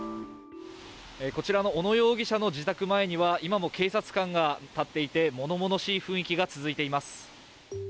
こちらの小野容疑者の自宅前には今も警察官が立っていてものものしい雰囲気が続いています。